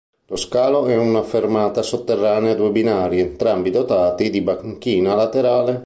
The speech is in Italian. Lo scalo è una fermata sotterranea a due binari entrambi dotati di banchina laterale.